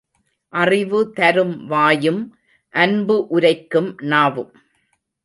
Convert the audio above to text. அறிவு தரும் வாயும் அன்பு உரைக்கும் நாவும்.